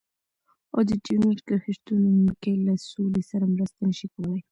او د ډيورنډ کرښې شتون کې له سولې سره مرسته نشي کولای.